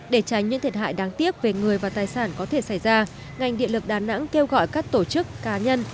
để tránh những thiệt hại đáng tiếc về người và tài sản có thể xảy ra ngành điện lực đà nẵng kêu gọi các tổ chức cá nhân